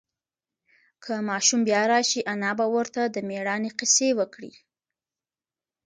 که ماشوم بیا راشي، انا به ورته د مېړانې قصې وکړي.